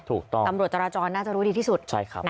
ตำรวจจราจรน่าจะรู้ดีที่สุด